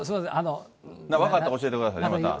分かったら教えてください。